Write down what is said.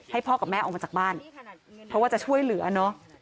พ่อกับแม่ออกมาจากบ้านเพราะว่าจะช่วยเหลือเนอะ